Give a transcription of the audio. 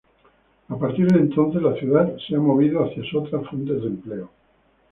A partir de entonces la ciudad se ha movido hacia otras fuentes de empleo.